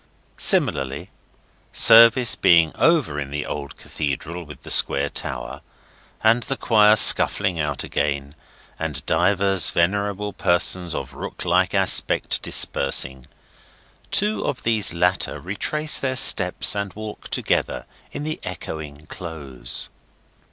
Similarly, service being over in the old Cathedral with the square tower, and the choir scuffling out again, and divers venerable persons of rook like aspect dispersing, two of these latter retrace their steps, and walk together in the echoing Close.